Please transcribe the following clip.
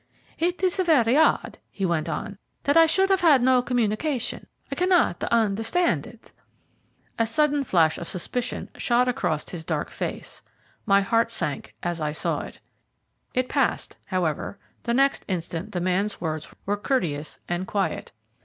"It is very odd," he went on, "that I should have had no communication. I cannot understand it." A sudden flash of suspicion shot across his dark face. My heart sank as I saw it. It passed, however, the next instant; the man's words were courteous and quiet.